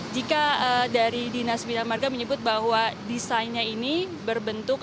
jika dari dinas bina marga menyebut bahwa desainnya ini berbentuk